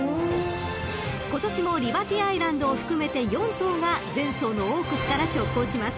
［今年もリバティアイランドを含めて４頭が前走のオークスから直行します］